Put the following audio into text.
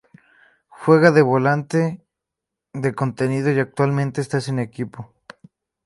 Juega de volante de contención y actualmente está sin equipo.